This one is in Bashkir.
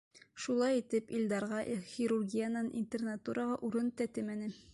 Шулай итеп, Илдарға хирургиянан интернатураға урын тәтемәне.